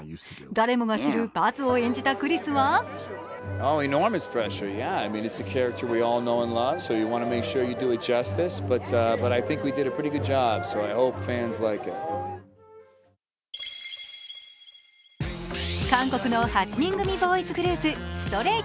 誰もが知るバズを演じたクリスは韓国の８人組ボーイズグループＳｔｒａｙＫｉｄｓ。